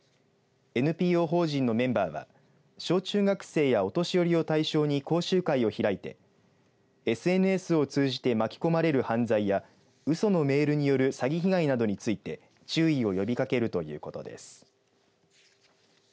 ＮＰＯ法人のメンバーは小中学生やお年寄りを対象に講習会を開いてＳＮＳを通じて巻き込まれる犯罪やうそのメールによる詐欺被害などについて注意を呼びかけるということです。